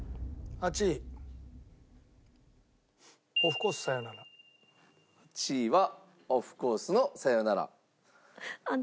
８位はオフコースの『さよなら』。